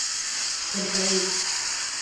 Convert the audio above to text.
Forcarei.